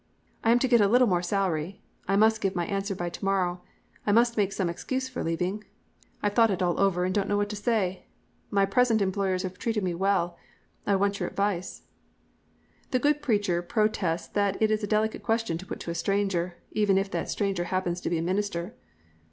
I am to get a little more salary. I must give my answer by to morrow. I must make some excuse for leaving. I've thought it all over and don't know what to say. My present employers have treated me well. I want your advice.' "The good preacher protests that it is a delicate question to put to a stranger, even if that stranger happens to be a minister.